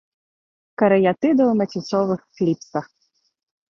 Карыятыда ў маціцовых кліпсах.